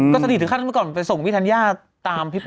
ก็สนิทถึงขั้นเมื่อก่อนไปส่งพี่ธัญญาตามพี่ป๊